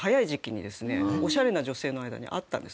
オシャレな女性の間にあったんです。